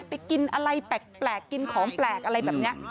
กินอะไรแปลกกินของแปลกอะไรแบบนี้